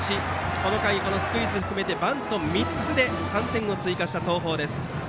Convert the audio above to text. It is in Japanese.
この回、このスクイズ含めてバント３つで３点を追加した東邦。